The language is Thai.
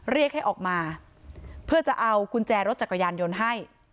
เรียกให้ออกมาเพื่อจะเอากุญแจรถจักรยานยนต์ให้